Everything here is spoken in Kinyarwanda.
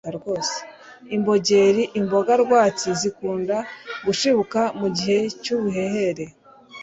imbogeri imboga rwatsi zikunda gushibuka mu gihe cy'ubuhehere